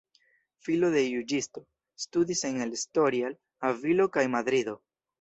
Filo de juĝisto, studis en El Escorial, Avilo kaj Madrido.